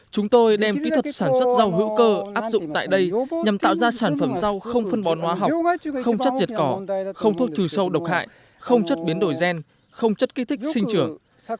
chúng tôi đem kỹ thuật sản xuất rau hữu cơ áp dụng tại đây nhằm tạo ra sản phẩm rau không phân bón hóa học không chất diệt cỏ không thuốc trừ sâu độc hại không chất biến đổi gen không chất kích thích sinh trưởng